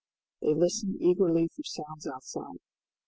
They listened eagerly for sounds outside.